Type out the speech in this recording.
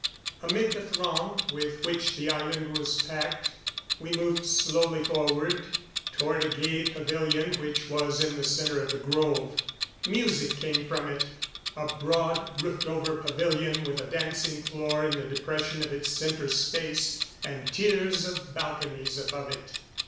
Amid the throng with which the island was packed, we moved slowly forward toward a gay pavilion which was in the center of the grove. Music came from it a broad, roofed over pavilion with a dancing floor in the depression of its center space, and tiers of balconies above it.